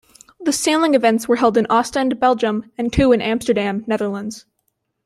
The Sailing events were held in Ostend, Belgium, and two in Amsterdam, Netherlands.